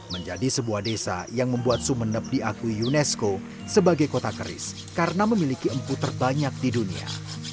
menjadi sebuah desa yang membuat sumeneb diakui unesco sebagai kota keris karena memiliki empuk terbanyak di dunia